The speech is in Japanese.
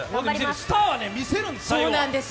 スターは見せるんです、最後は。